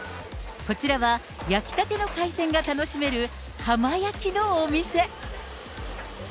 こちらは、焼きたての海鮮が楽しめる、浜焼きのお店。